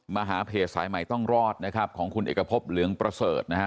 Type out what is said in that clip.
มาหาเพจสายใหม่ต้องรอดนะครับของคุณเอกพบเหลืองประเสริฐนะฮะ